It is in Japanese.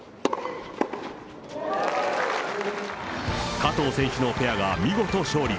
加藤選手のペアが見事勝利。